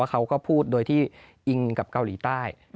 เขาก็พูดโดยที่อิงกับเกาหลีใต้